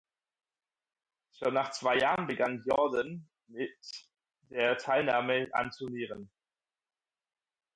Schon nach zwei Jahren begann Jourdan mit der Teilnahme an Turnieren.